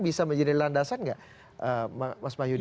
bisa menjadi landasan nggak mas wahyudi